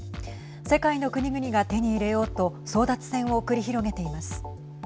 世界の国々が手に入れようと争奪戦を繰り広げています。